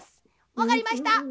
わかりました！